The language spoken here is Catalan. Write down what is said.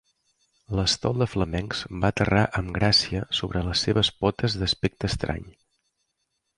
L'estol de flamencs va aterrar amb gràcia sobre les seves potes d'aspecte estrany.